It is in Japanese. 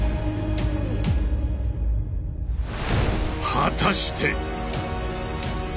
果たして。